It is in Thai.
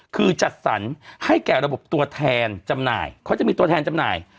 คือจัดสรรให้แก่ระบบตัวแทนจำหน่ายเขาจะมีตัวแทนจำหน่าย